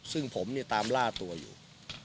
ซึ่งผมเนี่ยตามล่าตัวอยู่